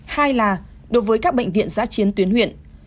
hai là đối với các bệnh viện giã chiến tuyến huyện